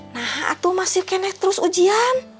nah aku masih connect terus ujian